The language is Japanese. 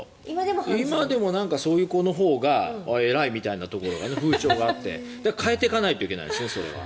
今でもそういう子のほうが偉いみたいな風潮があって変えていかないといけないですね